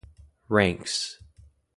Ranks.